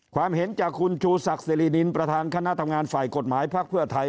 ความเห็นจากคุณชูศักดิรินินประธานคณะทำงานฝ่ายกฎหมายพักเพื่อไทย